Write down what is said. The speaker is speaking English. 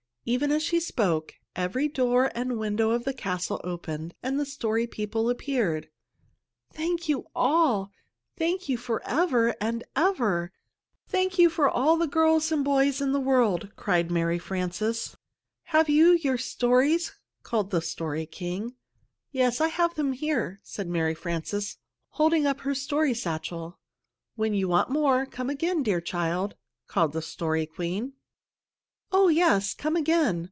Even as she spoke, every door and window of the castle opened and the Story People appeared. "Thank you all! Thank you forever and ever! Thank you for all the girls and boys in the world!" cried Mary Frances. "Have you your stories?" called the Story King. "Yes, I have them here!" said Mary Frances, holding up her story satchel. "When you want more, come again, dear child," called the Story Queen. "Oh, yes, come again!"